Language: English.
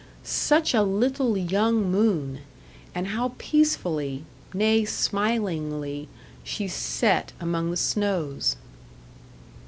Such a little young moon! and how peacefully nay, smilingly she set among the snows!